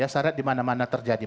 syaratnya di mana mana terjadi